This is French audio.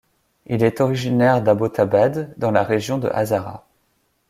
Il est originaire d'Abbottabad, dans la région de Hazara.